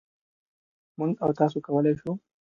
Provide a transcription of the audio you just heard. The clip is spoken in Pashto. مـوږ او تاسـو کـولی شـو